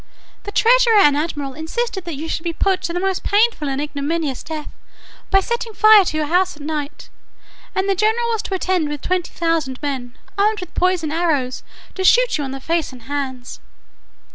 The treasurer and admiral insisted that you should be put to the most painful and ignominious death, by setting fire to your house at night, and the general was to attend with twenty thousand men, armed with poisoned arrows, to shoot you on the face and hands.